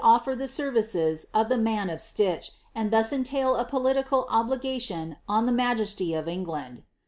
Jer the services of Ihe mui of atitcli. and thus entail a political obligation on the majesty of Digland.